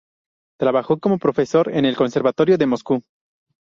Trabajó como profesor en el Conservatorio de Moscú.